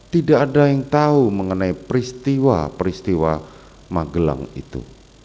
tidak ada yang tahu mengenai peristiwa peristiwa magelang itu